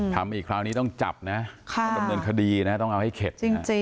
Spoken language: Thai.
ทำอีกคราวนี้ต้องจับนะประเภทคดีต้องเอาให้เข็ด